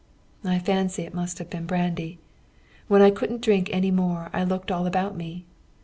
I fancy it must have been brandy. When I couldn't drink any more I looked all about me.